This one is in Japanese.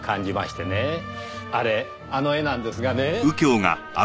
あれあの絵なんですがね。